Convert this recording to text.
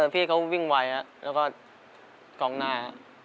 พี่เขาวิ่งไวแล้วก็กองหน้า